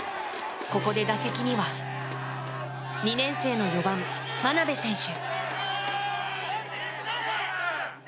ここで打席には２年生の４番、真鍋選手。